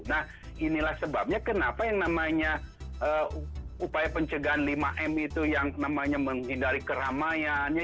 nah inilah sebabnya kenapa yang namanya upaya pencegahan lima m itu yang namanya menghindari keramaian